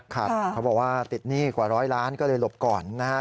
เขาบอกว่าติดหนี้กว่าร้อยล้านก็เลยหลบก่อนนะครับ